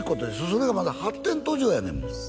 それがまだ発展途上やねんもん